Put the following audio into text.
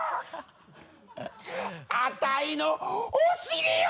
あたいのお尻を！